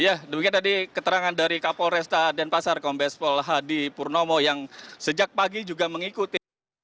ya demikian tadi keterangan dari kapolresta dan pasar kombes polhadi purnomo yang sejak pagi juga mengikuti